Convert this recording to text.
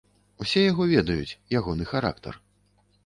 Усе яго ведаюць, ягоны характар.